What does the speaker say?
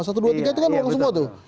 satu dua tiga itu kan long semua tuh